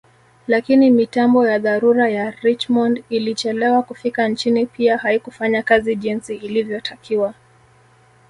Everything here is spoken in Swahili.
Lakini mitambo ya dharura ya Richmond ilichelewa kufika nchini pia haikufanya kazi jinsi ilivyotakiwa